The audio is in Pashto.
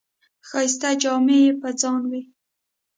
ښایسته جامې یې په ځان وې.